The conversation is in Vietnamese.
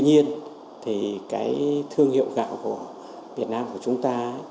tuy nhiên thì cái thương hiệu gạo của việt nam của chúng ta